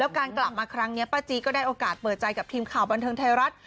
การกลับมาครั้งนี้ป้าจีก็ได้โอกาสเปิดใจกับทีมข่าวบันเทิงไทยรัฐ